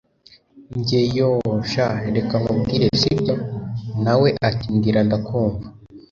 njye yoooh! sha reka nkubwire sibyo!? nawe ati mbwira ndakumva